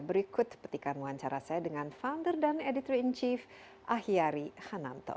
berikut petikan wawancara saya dengan founder dan editor in chief ahyari hananto